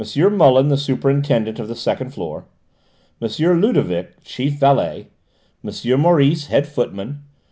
Muller the superintendent of the second floor, M. Ludovic chief valet, M. Maurice head footman, M.